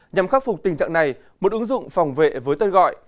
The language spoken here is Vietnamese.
nhằm khắc phục tình trạng này một ứng dụng phòng vệ với tên gọi